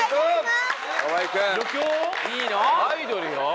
いいの？アイドルよ？